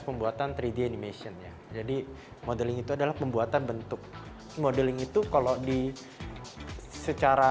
pembuatan tiga d animation jadi modeling itu adalah pembuatan bentuk modeling itu kalau di secara